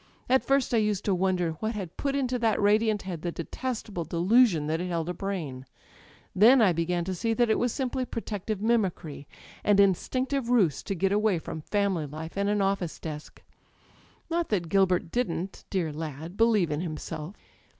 At first I used to wonder what had put into that radiant head the de testable delusion that it held a brain. Then I began to see that it was simply protective mimicry â€" an instinc tive ruse to get away from family life and an office desk. Not that Gilbert didn't â€" dear lad! â€" believe in him self.